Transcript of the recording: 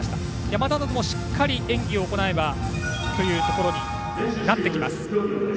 山田がしっかり演技を行えばということになっていきます。